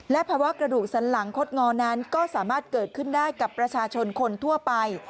ภาวะกระดูกสันหลังคดงอนั้นก็สามารถเกิดขึ้นได้กับประชาชนคนทั่วไป